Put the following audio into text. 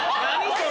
それ。